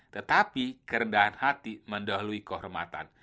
tetapi kerendahan hati mendahului kehormatan